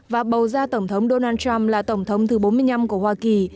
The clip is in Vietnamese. và bầu ra tổng thống donald trump là tổng thống thứ bốn mươi năm của hoa kỳ